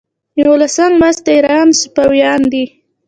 یوولسم لوست د ایران صفویان دي.